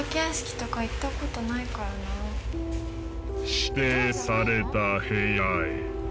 指定された部屋へ。